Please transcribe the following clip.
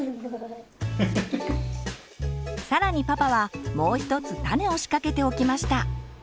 更にパパはもう一つタネを仕掛けておきました。